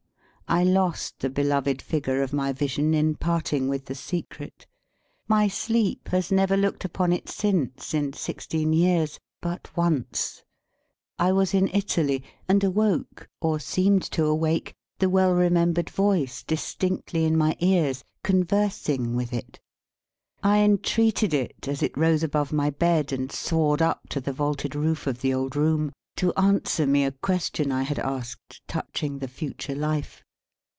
I lost the beloved figure of my vision in parting with the secret. My sleep has never looked upon it since, in sixteen years, but once. I was in Italy, and awoke (or seemed to awake), the well remembered voice distinctly in my ears, conversing with it. I entreated it, as it rose above my bed and soared up to the vaulted roof of the old room, to answer me a question I had asked touching the Future Life.